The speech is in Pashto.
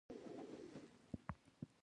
د ابدالي د پرمختګ مخه به ونیسي.